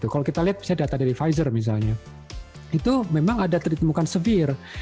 kalau kita lihat misalnya data dari pfizer misalnya itu memang ada ditemukan severe